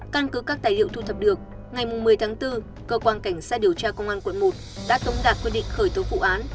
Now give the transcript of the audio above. căn cứ các tài liệu thu thập được ngày một mươi tháng bốn cơ quan cảnh sát điều tra công an quận một đã tống đạt quyết định khởi tố vụ án